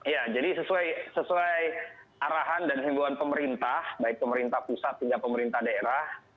ya jadi sesuai arahan dan himbawan pemerintah baik pemerintah pusat hingga pemerintah daerah